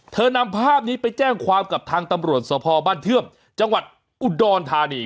นำภาพนี้ไปแจ้งความกับทางตำรวจสภบ้านเทื่อมจังหวัดอุดรธานี